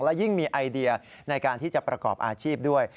และยิ่งมีไอเดียในการที่จะประกอบอาชีพด้วย